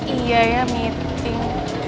iya ya meeting